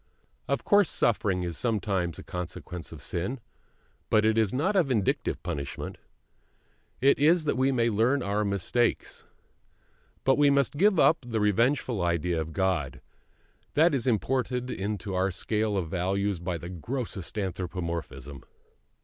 Of course suffering is sometimes a consequence of sin, but it is not a vindictive punishment; it is that we may learn our mistake. But we must give up the revengeful idea of God: that is imported into our scale of values by the grossest anthropomorphism.